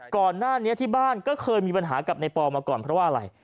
ก่อนหน้านี้ที่บ้านก็เคยมีปัญหากับในปอมาก่อนเพราะว่าอะไร